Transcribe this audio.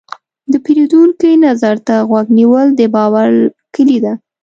د پیرودونکي نظر ته غوږ نیول، د باور کلي ده.